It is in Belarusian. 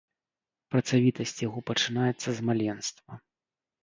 Працавітасць яго пачынаецца з маленства.